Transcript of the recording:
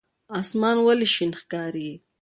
اسمان ولې شین ښکاري؟